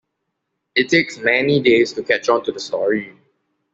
It takes many days to catch on to the story.